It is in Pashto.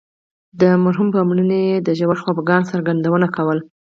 د مرحوم په مړینه یې د ژور خفګان څرګندونه کوله.